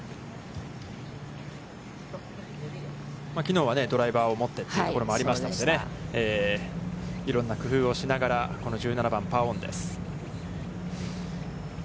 きのうはドライバーを持ってというところもありましたので、いろんな工夫をしながら、この１７番、パーオンです。